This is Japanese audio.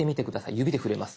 指で触れます。